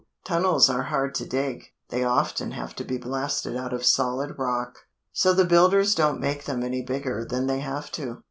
Tunnels are hard to dig. They often have to be blasted out of solid rock. So the builders don't make them any bigger than they have to.